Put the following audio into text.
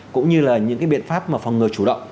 cũng như là những cái biện pháp mà phòng ngừa chủ động